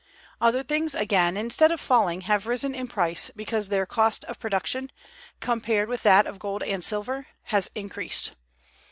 Other things, again, instead of falling, have risen in price, because their cost of production, compared with that of gold and silver, has increased.